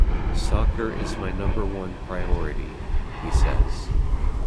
"Soccer is my number one priority," he says.